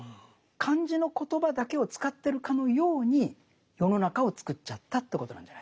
漢字の言葉だけを使ってるかのように世の中をつくっちゃったということなんじゃないでしょうか。